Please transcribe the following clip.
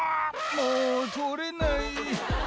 もう取れない。